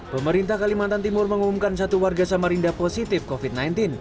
pemerintah kalimantan timur mengumumkan satu warga samarinda positif covid sembilan belas